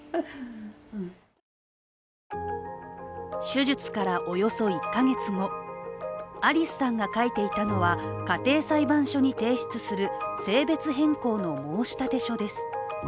手術からおよそ１か月後ありすさんが書いていたのは家庭裁判所に提出する性別変更の申立書です。